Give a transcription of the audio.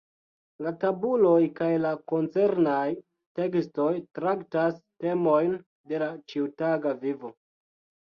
La tabuloj kaj la koncernaj tekstoj traktas temojn de la ĉiutaga vivo.